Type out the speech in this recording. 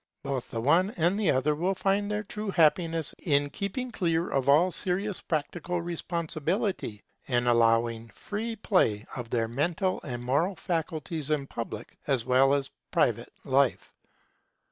Both the one and the other will find their truest happiness in keeping clear of all serious practical responsibility, and in allowing free play to their mental and moral faculties in public as well as private life.